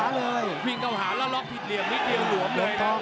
ด้วยวิ่งเค้าหาแล้วล็อกพีธเลี่ยงมิกเทรี่ยงหลวมเลยนะ